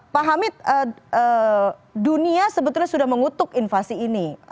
pak hamid dunia sebetulnya sudah mengutuk invasi ini